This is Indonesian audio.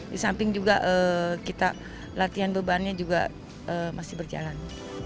di samping juga kita latihan bebannya juga masih berjalan